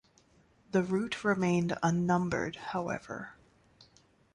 The route remained unnumbered however.